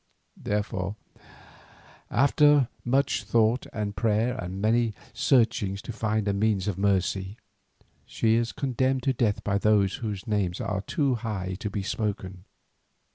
Therefore, after much thought and prayer, and many searchings to find a means of mercy, she is condemned to death by those whose names are too high to be spoken.